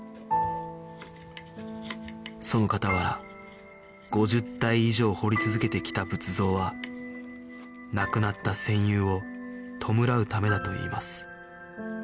その傍ら５０体以上彫り続けてきた仏像はなくなった戦友を弔うためだと言います